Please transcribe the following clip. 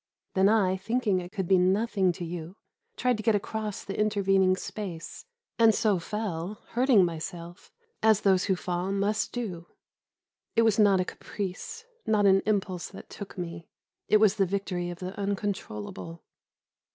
Then I, thinking it could be nothing to you, tried to get across the intervening space, and so fell, hurting myself, as those who fall must do. It was not a caprice, not an impulse that took me, it was the victory of the uncontrollable.